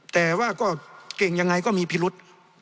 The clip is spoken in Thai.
แต่ว่าก็เก่งยังไงก็มีพิรุษ